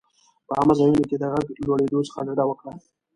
په عامه ځایونو کې د غږ لوړېدو څخه ډډه وکړه.